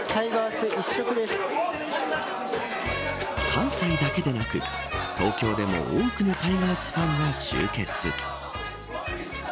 関西だけでなく東京でも多くのタイガースファンが集結。